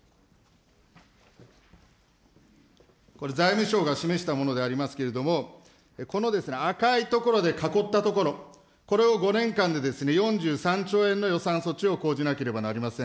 これ、財務省が示したものでありますけれども、この赤い所で囲ったところ、これを５年間で４３兆円の予算措置を講じなければなりません。